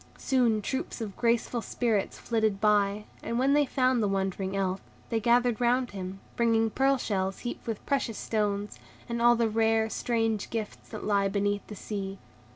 Soon troops of graceful Spirits flitted by, and when they found the wondering Elf, they gathered round him, bringing pearl shells heaped with precious stones, and all the rare, strange gifts that lie beneath the sea.